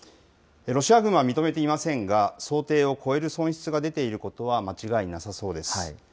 ロシア軍は認めていませんが、想定を超える損失が出ていることは間違いなさそうです。